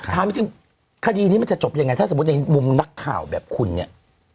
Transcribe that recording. ถามจริงคดีนี้มันจะจบยังไงถ้าสมมุติในมุมนักข่าวแบบคุณเนี่ย